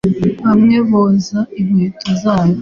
Bamwe boza inkweto zabo